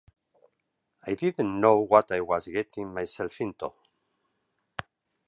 I didn't know what I was getting myself into".